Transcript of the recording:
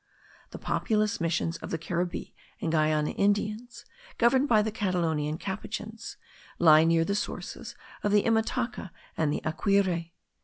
The populous missions of the Caribbee and Guiana Indians, governed by the Catalonian Capuchins, lie near the sources of the Imataca and the Aquire.